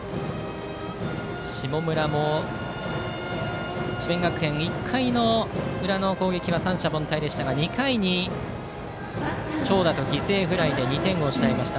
下村も智弁学園、１回の裏の攻撃は三者凡退でしたが２回に長打と犠牲フライで２点を失いました。